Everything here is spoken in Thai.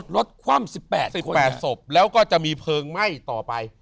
ลดความสิบแปดสิบแปดศพแล้วก็จะมีเพลิงไหม้ต่อไป